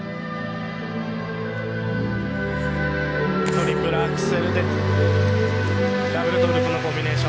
トリプルアクセルでダブルトウループのコンビネーション。